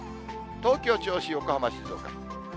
東京、銚子、横浜、静岡。